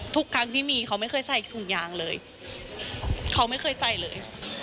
ทุกครั้งที่มีเขาไม่เคยใส่ถุงยางเลยเขาไม่เคยใส่เลย